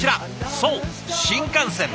そう新幹線。